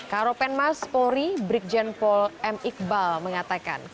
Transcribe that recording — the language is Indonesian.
karopen mas polri brikjen pol m iqbal mengatakan